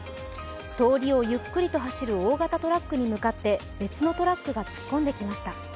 通りをゆっくりと走る大型トラックに向かって別のトラックが突っ込んできました。